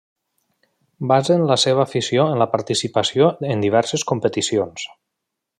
Basen la seva afició en la participació en diverses competicions.